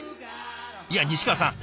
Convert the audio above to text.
いや西川さん